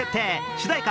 主題歌